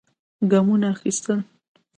ګامونه اخېستل.